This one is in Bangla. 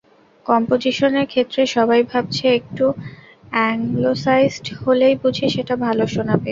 কম্পোজিশনের ক্ষেত্রে সবাই ভাবছে একটু অ্যাংলোসাইজড হলেই বুঝি সেটা ভালো শোনাবে।